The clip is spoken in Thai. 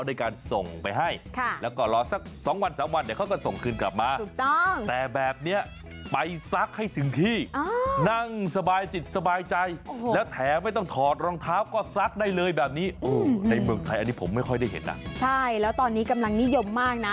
ได้การส่งไปให้แล้วก็รอสัก๒วัน๓วันเดี๋ยวเขาก็ส่งคืนกลับมา